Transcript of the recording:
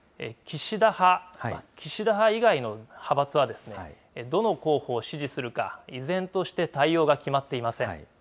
岸田派以外の派閥はですね、どの候補を支持するか、依然として対応が決まっていません。